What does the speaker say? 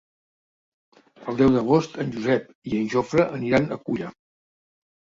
El deu d'agost en Josep i en Jofre aniran a Culla.